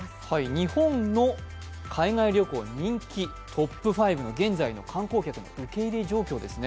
日本の海外旅行人気トップ５の現在の観光客受け入れ状況です。